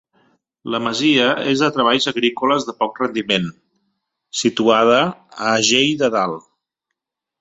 La masia és de treballs agrícoles de poc rendiment, situada a Agell de Dalt.